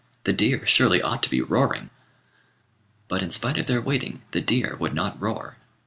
"The deer surely ought to be roaring." But, in spite of their waiting, the deer would not roar.